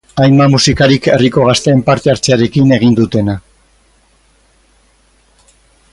Hainbat musikarik herriko gazteen parte hartzearekin egin dutena.